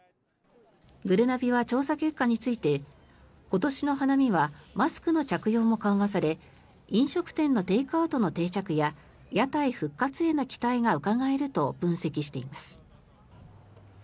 ぐるなびは調査結果について今年の花見はマスクの着用も緩和され飲食店のテイクアウトの定着や屋台復活への期待がうかがえると分析しています。